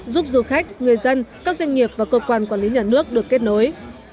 giúp du khách người dân các doanh nghiệp và cơ quan quản lý nhà nước được kết nối